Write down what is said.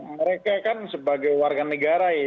mereka kan sebagai warga negara ya